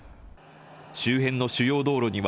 周辺の主要道路には、